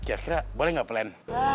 kira kira boleh nggak plan